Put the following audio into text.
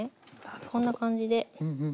こんな感じで。